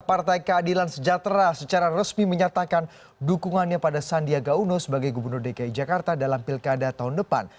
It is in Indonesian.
partai keadilan sejahtera secara resmi menyatakan dukungannya pada sandiaga uno sebagai gubernur dki jakarta dalam pilkada tahun depan